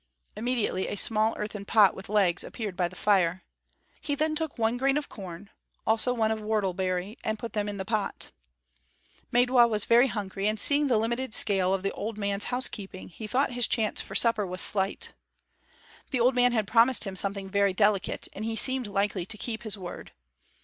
Immediately a small earthen pot with legs appeared by the fire. He then took one grain of corn, also one of whortleberry, and put them in the pot. Maidwa was very hungry, and seeing the limited scale of the old man's housekeeping, he thought his chance for a supper was slight. The old man had promised him something very delicate, and he seemed likely to keep his word.